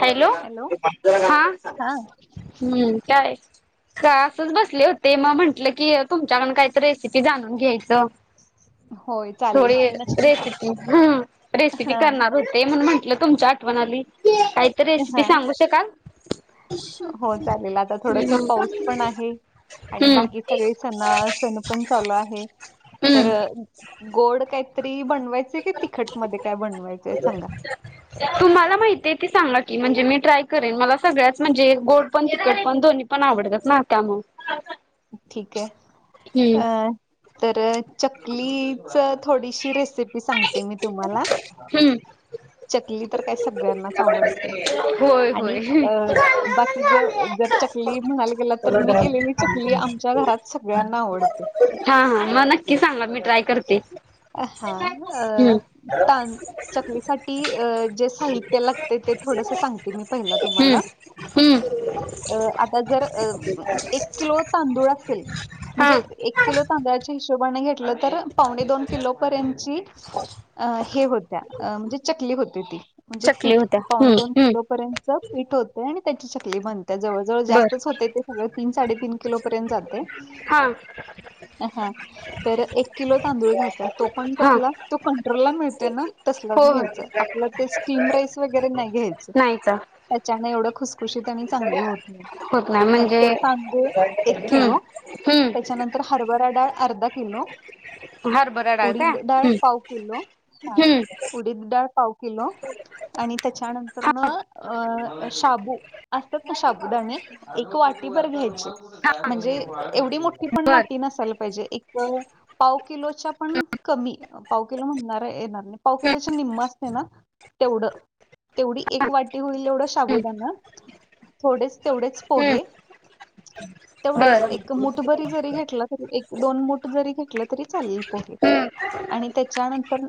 Hello! हा हम्म! काय? का असच बसले होते, मग म्हंटलं की तुमच्याकडून काय तर रेसिपी जाणून घ्यायचे? होय चालेल थोडी की नक्कीच रेसिपी रेसिपी हा करणार होते. म्हणून्, म्हण लंय तुमची आठवण आली. काहीतरी, हा रेसिपी सांगू शकाल. हो चालेल, आता थोडस हम्म पाऊस पण आहे. आणि बाकी सगळे, सणा सण पण चालू आहे. तर हम्म गोड काहीतरी बनवायचे. काय तिखट मध्ये काय बनवायचंय सांगा? [unintelligible] तुम्हाला माहितीये ती सांगा कि म्हणजे मी ट्राय करेन मला सगळ्याच म्हणजे एक गोड पण तिखट पण दोन्ही पण आवडं डतात ना त्यामुळं ठीक आहे अ तर चकलीच थोडीशी रेसिपी सांगते मी तुम्हाला हम्म चकली तर काय सगळ्यांनाच आवडते होय आणि होय अ बाकी ज जर चकली म्हणायला गेला तर मी केलेली चकली आमच्या घरात सगळ्यांना आवडते हा हा मग नक्की सांगा मी ट्राय करते हा हम्म त चकलीसाठी जे साहित्य लागते ते थोडस सांगते मी पहिला हम्म तुम्हाला हम्म अ आता जर अ एक किलो तांदूळ असेल हा म्हणजे एक किलो तांदळाच्या हिशोबाने घेतलं तर पावणे दोन किलोपर्यंत हे होत्या म्हणजे चकली होते ती म्हणजे चकली पीठ होत्या पावणे हम्म दोन किलो हम्म पर्यंतच पीठ होतय आणि त्याची चकली बनते त्या जवळ जवळ बर जास्तच होते ते सगळ तीन साडे तीन किलो पर्यंत जातय हा हा तर एक किलो तांदूळ घ्यायचा तो पण हा हो कसला तो कंट्रोल ला मिळतोय ना तसलाच हो घ्यायचा आप स्टीम राईस वगैरे नाही घ्यायचं नाहीच त्यामुळं एवढ खूस खुशीत आणि चांगली होते होत नाही मग म्हणजे ते तांदूळ एक हम्म किलो हम्म त्याच्यानंतर हरभरा डाळ अर्धा किलो हरभरा डाळ का उडीद डाळ हम्म पाव किलो हा हम्म उडीद डाळ पाव किलो आणि हा त्याच्यानंतरन शाबू असतात ना शाबूदाणे एक वाटी भर घ्यायचे हा म्हणजे एवढी मोठी पण बर वाटी नसायला पाहिजे एक पाव किलोच्या पण कमी पाव किलो म्हणणार येणार नाही पाव किलोच्या निम्मं असतय ना तेवढं तेवढी एक वाटी होईल तेवढं हम्म शाबुदानं थोडेच तेवढेच हम्म पोहे बर तेवढंच एक मुठ भरी जरी घेतलं तरी एक दोन मुठ जरी घेतलंतं चालेल पोहे हम्म आणि त्याच्यानंतर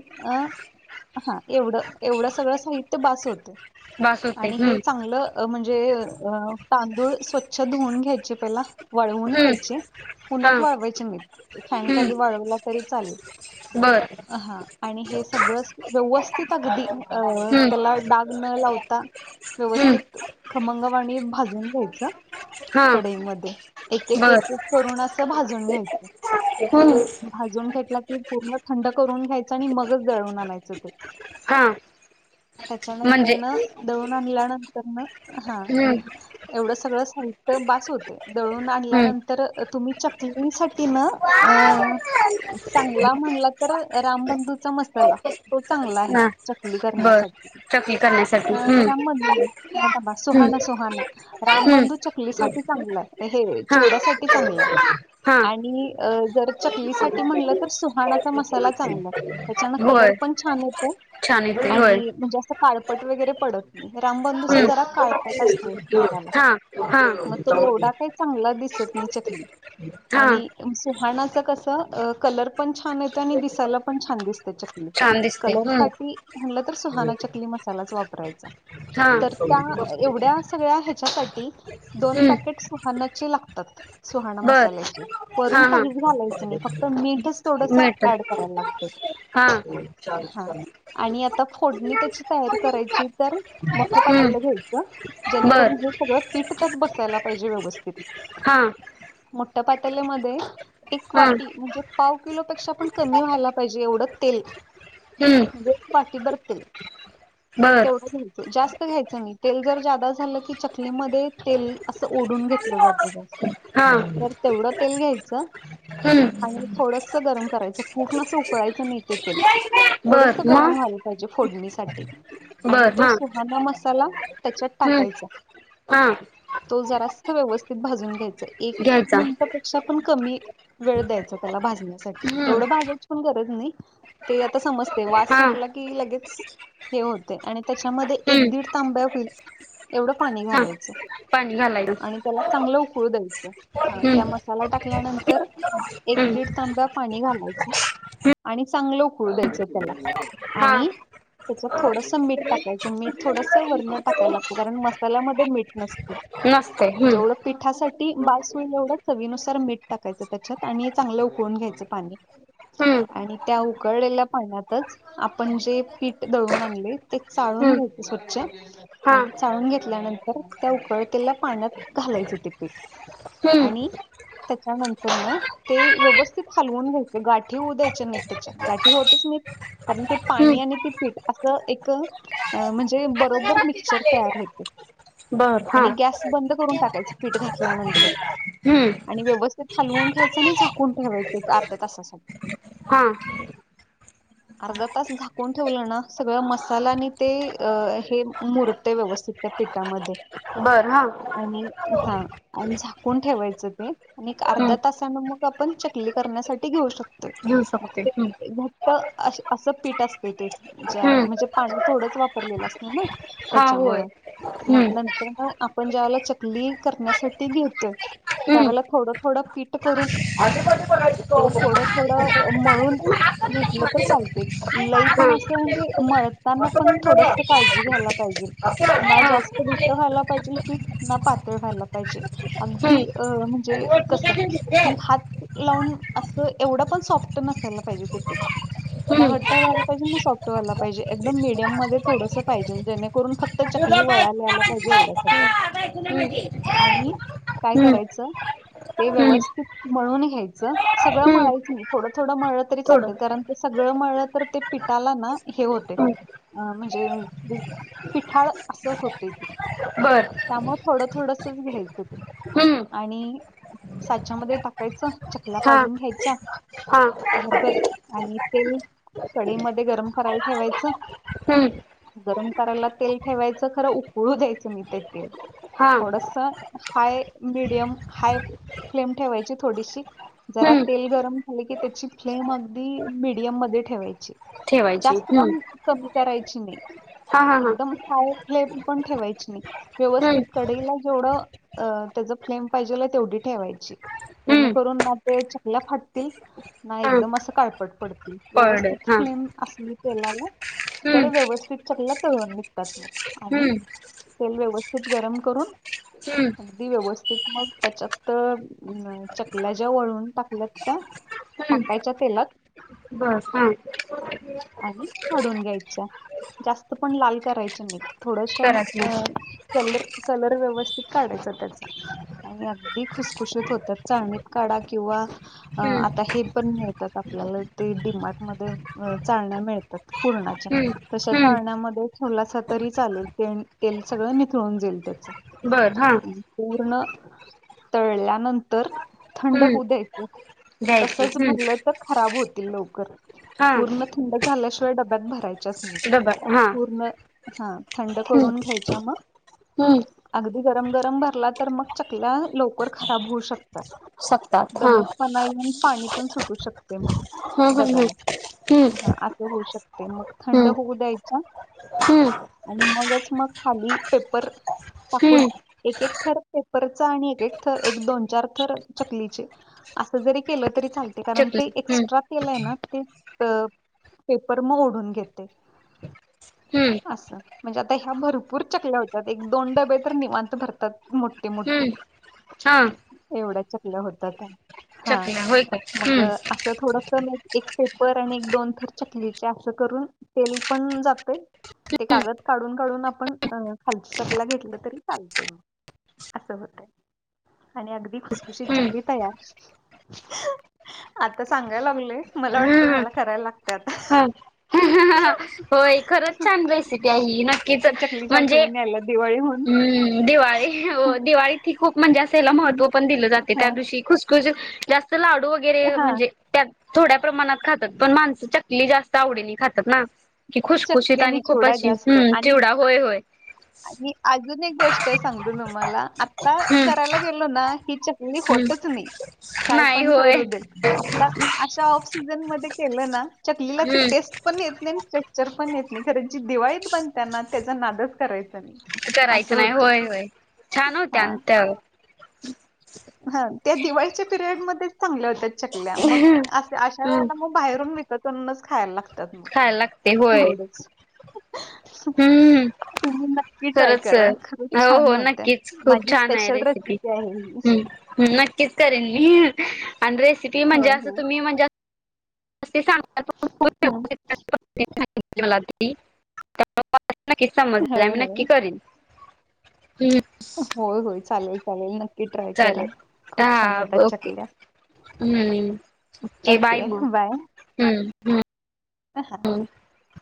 एवढं सगळं साहित्य बास होतंय बास होते आणि हम्म हे चांगलं म्हणजे अ तांदूळ स्वच्छ धुऊन घ्यायचे पहिला वाळवून हम्म घ्यायचे हा उन्हात वाळवायचे नाहीत फॅन हम्म खाली वाळवला तरी चालेल बर हा आणि हे सगळं व्यवस्थित अगदी अ हम्म त्याला डाग न लावता हम्म व्यवस्थित खमंगवाणी भाजून घ्यायचं हा कडईमध्ये एक एक बर एक एक करुन असं भाजून घ्यायचं हम्म भाजून घेतला की पूर्ण थंड करून घ्यायचं आणि मगच दळून आणायचं ते हा म्हणजे त्याच्यानंतरनं दळून आणल्यानंतरनं हा हम्म एवढं सगळं सगळं साहित्य बास होतय दळून हम्म आणल्यानंतर तुम्ही चकलीसाठी ना अं... हा चांगला म्हणला तर रामबंधूचा मसाला तो चांगला आहे. चकली बर करण्यासाठी. चकली करण्यासाठी अ हम्म रामबंधू नाही थांबा थांबा सुहाणा सुहाणा हम्म रामबंधू चकलीसाठी. चांगला हे हम्म हा चिवड्यासाठी चांगलं आहे. हा आणि जर चकलीसाठी म्हणलं तर सुहाणाचा मसाला चांगला. त्याच्यानं कलर होय पण छान येतोय छान येते होय आणि म्हणजे असं काळ.. ळपट वगैरे पडत नाही रामबंधू हम्म जरा काळपट असत. तोय मसाला हा हा मग तो एवढा काही चांगला दिसत नाही चकली हा आणि सुहाणाच कसं कलर पण छान येतोय आणि दिसायला पण छान दिसते चक छान दिसते कलर हम्म साठी म्हटलं तर सुहाणा चकली मसालाच वापरायचा. हा तर त्या एवढ्या सगळ्या ह्याच्यासाठी दोन हम्म पॅकेट सुहाणाचे लागतात सुहाणा बर मसाल्याचे. हा वरून हा काहीच घालायचं नाही फक्त मीठच थोडस मिळत ऍड करायला हा लागत. हा आणि आता फोडणी ची तयारी करायची तर मोठ हम्म पातेला घ्यायच जेणेकरून बर हे सगळं हिटकत बसायला पाहिजे व्यवस्थित. हां. मोट पाती ल मध्ये एक हा वाटी म्हणजे, पाव किलोपेक्षा पण कमी व्हायला पाहिजे एवढं तेल. हम्म एक वाटी भरतील बर तेवढ जास्त घ्यायच नाही तेल जर जादा झालं की चकलीमध्ये तेल असं ओढून घेतलं जातं जास्त. हा. तर तेवढं तेल घ्यायचं. हम्म आणि थोडस गरम करायचं पूर्ण असं उकळायचं नाही ते तेल. बर थोडस गरम मग व्हाला पाहिजे फोडणीसाठी आणि बर तो हा सुहाान मस्त ला त्याच्यात हम्म टाकायचा हा तो जरा व्यवस्थित भाजून घ्यायचाय. एक घ्यायचा मिनिटपेक्षा पण, कमी वेळ द्यायच त्याला भाजण्यासाठी हम्म एवढं भाजायची पण गरज नाही ते आता समजते. वास हा सुटला की लगेच हे होते आणि त्याच्यामध्ये एक हम्म दीड तांब्या होईल एवढं पाणी हा घालायचं. पाणी घालायल आणि त्याला चांगलं उकडू द्यायचं. हा त्या मसाला टाकल्यानंतर एक दीड हम्म तांब्या पाणी घालायच. आणि चांगलं फूळ द्यायच त्याला हा आणि त्याच थोडस मीठ टाकायचं मीठ थोडस वरण टाकायला लागते कारण मसाल्यामध्ये मीठ नसत. नसतय हम्म जेवढ पिठासाठी बा ई एवढं चवीनुसार मीठ टाकायचं त्याच्यात आणि चांगलं उकळून घ्यायचं पाणी. हम्म आणि त्या उकडलेल्या पाण्यातच आपण जे पीठ दळून आणले ते चाळून हम्म घ्याय स्वच्छ हा आणि चाळून घेतल्यानंतर त्या उकळतेला पाण्यात घालायचं ते पीठ. हम्म आणि त्याच्यानंतर न ते व्यवस्थित हलवून घ्यायचं गाठी उऊ द्यायच्या नाहीत, त्याच्या गाठी होतच नाहीत. कारण ते हम्म पाणी आणि ते पीठ असं एक म्हणजे बरोबर मिक्चर तयार होते. बर हा आणि गॅस बंद करून टाकायच पीठ घातल्यानंतर. हम्म आणि व्यवस्थित हलवण घ्यायच आणि झाकून ठेवायचं एक अर्धा तासासाठी. [unintelligible] अर्धा तास झाकून ठेवलं ना सगळ मसाला आणि ते हे मुरत व्यवस्थित. त्या पिठामध्ये. बर हा आणि हा आणि झाकून ठेवायचं ते आणि हम्म अर्धा तासान मग आपण. चकली करण्यासाठी घेऊ शकतो घेऊ मग शकते ते हम्म मी घा. असं पीठ असते ते ज्या हम्म म्हणजे पाणी थोडंच वापरलेलं असते ना. हा होय त्याच्यामुळं हम्म मग नंतर ना आ.. पण ज्यावेळेला चकली करण्यासाठी घेतोय. हम्म त्यावेळला थोडं थोडं पीठ करून. आधी बघायची तो ते असं थोडं थोडं अ मळून. घेतलं तर चालतील लई पण असं म्हणजे मळताना पण थोडस काळजी घ्यायला पाहिजे. असं ना जास्त घट्ट व्हायला पाहिजे पीठ ना पातळ व्हायला पाहिजे अगदी हम्म म्हणजे कस एकमेकांना दिसते. की हात लावून अस एवढं पण सॉफ्ट नसायला पाहिजे ते पीठ. [inaudible] ना हम्म घट्ट व्हायला पाहिजे ना सॉफ्ट व्हायला पाहिजे एकदम मीडियम मध्ये थोडस पाहिजे जेणेकरून फक्त तुला चकली. वळाले बायकोला आला म्हणजे पाहिजे बायकोला एवढ्यासाठी. [inaudible] आणि काय हम्म करायचं... ते हम्म व्यवस्थित मळुन घ्यायचं सगळं हम्म मळायचं नाही थोडं थोडं मळलं तरी चालत. थोडं कारण ते सगळं मळलं तर ते पिटाला ना हे होते... हम्म अं म्हणजे पिठाळ असं होत ते. बर त्यामुळे थोडं थोडसच घ्यायचं ते. हम्म आणि साच्यामध्ये टाकायचं चकल्या हा पाडून घ्यायच्या. हा. भरभर आणि तेल कढईमध्ये गरम करायला ठेवायचं. हम्म गरम करायला तेल ठेवायचं खरं उकळू द्यायचं नही ते तेल. हा थोडस हाय मीडियम हाय... फ्लेम ठेवायची थोडीशी जरा हम्म तेल गरम झाले की त्याची फ्लेम आग... ती मिडियम मध्ये ठेवायचि ठेवायची जास्त हम्म पन कमी कराय... हा हा हा एकदम हाय फ्लेम पण ठेवायची नही. हम्म व्यवस्थित कडेला जेवढं... अ त्याचा फ्लेम पाहिजेल तेवढी ठेवायची हम्म जेणेकरून आपल्या चकल्या फाटतील.. नाही हा एकदम अस काळपट पडते पर डे व्यवस्थित हा फ्लेम असली तेलाला.. तर हम्म व्यवस्थित चकल्या तळून निघतात. आणि हम्म. तेल व्यवस्थित गरम करून. हम्म अगदी व्यवस्थित मग त्याच्यात त चकल्या ज्या वळून टाकल्यात त्या. टाकायच्या तेलात. ब हअ. आणि कडून घ्यायच्या जास्त पण लाल करायच्या नाही. थोडशा म करायची अं चल... कलर व्यवस्थित काढायचा त्याचा आणि अगदी खुसखुशीत होत चाळणीत काढा किंवा.. अ हम्म आता हे पण मिळतात आपल्याला ते डि मार्ट मध्ये.. चाळण्या मिळतात पूर्णाच्या हम्म तशा हम्म चाळण्या मध्ये ठेवला सा तरी चालेल तेन तेल सगळ... निथळून जाईल त्याच. बर हा पूर्ण तळल्यानंतर थंड हम्म होऊ द्याय... घ्यायची तसच हम्म भरलं तर खराब होतील लवकर हा पूर्ण.. झाल्याशिवा डब्यात भरायचं.. चचनीत डबा हा पुर्ण हा थंड हम्म करून घ्यायच्या मग हम्म अगदी... गरम गरम भरला तर मग चकल्या लवकर खराब होऊ शकतात. सप्तात हा ह दमटपणा येऊन पाणी पण सुटू शकते मग. हम् हम् डब्याला हम्. हा आता होऊ शकते मग थंड होऊ द्याय.. हम् आणि मगच मग खाली पेपर टाकून हम्म एक एक थर पेपरचा आणि एक एक थर दोन चार थर चकलीचे असं जरी केलं तरी चालते कारण ते चकली हम्म एक्स्ट्रा तेल आहे ना ते पेपर मग ओढून घेते हम्म असं म्हणजे आता ह्या भरपूर चकल्या होतात एक दोन डबे तर निवांत भरतात मोठे मोठे हम्म हा व च होत चकल्या होय काय मग हम्म अस थोड पर आणि एक दोन थर चकलीचे असं करून तेल पण जातय ते कागद काढून काढून आपण अ खाल चपला घेतलं तरी चालते म असं होतय आणि अगदी खुसखुशीत हम्म. चकली तयार आता सांगाय लागले मला वाटत ते हम्म मला करायला लागत्यात हम्म. होय. खरंच छान रेसिपी आहे ही, नक्कीच त्या चकलीच्या म्हणजे आठवणी यायला दिवाळी होऊन. हम्म दिवाळी हो, दिवाळीत ही खूप म्हणजे अस ह्याला महत्त्व पण दिलं जाते. त्या हां, दिवशी खुप जास्त लाडू वगैरे हां. म्हणजे त्या थोड्या प्रमाणात खातात. पण माणसं चकली जास्त आवडीने खातात ना की चकली खुशखुशीत आणि खूप चिवडा अशी, जास्त ह आणि चिवडा. होय. होय. आणि अजून एक गोष्ट आहे सांगतो तुम्हाला, आता हम्म करायला गेलो ना ही हम्म चकली काय नाही पण होय करु दे सिजन मधे केल ना, चकलीला ती हम्म टेस्ट पण येत नाही आणि च चर पण येत नाही. खर जी दिवाळीत बनतना त्याचा नादच करायचा नाही. करायचं असं नाही. होते होय. होय. छान होत्या हा अंत हा. त्या दिवाळीच्या पिरियडमध्येध्येच चांगल्या होत्या मग अशा हम्म वेळेला मग बाहेरून विकतच खायला लागत खायला लागते. होय. [unintelligible] हम्म तुम्ही नक्की ट्राय खरंच करा. खरच हो छान हो होत्या. नक्कीच माझी स्पेशल रेसिपी आहे हि हम् नक्कीच करेन मी. आणि रेसिपी म्हणजे होय, असं होय. तुम्ही म्हणजे [inaudible] हं. नक्कीच समजलं. होय, मी नक्की होय. करीन. हम्म होय. होय. चालेल चालेल नक्की ट्राय चालेल करा. खूप छान हा होतात ओके चकल्या हम्म. ओके बाय मग. हम्म. हम्म. [unintelligible]